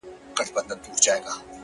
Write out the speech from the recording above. o ځوان لکه مړ چي وي ـ